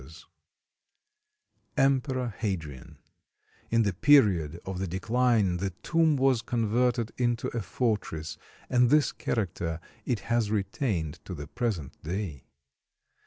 ] [Illustration: EMPEROR HADRIAN] In the period of the decline the tomb was converted into a fortress, and this character it has retained to the present day.